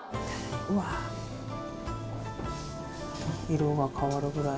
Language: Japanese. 色が変わるぐらい？